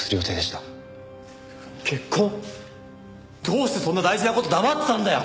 どうしてそんな大事な事黙ってたんだよ！